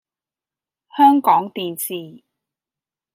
香港電視